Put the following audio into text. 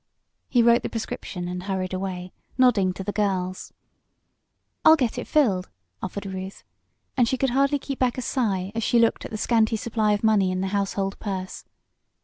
He wrote the prescription and hurried away, nodding to the girls. "I'll get it filled," offered Ruth, and she could hardly keep back a sigh as she looked at the scanty supply of money in the household purse.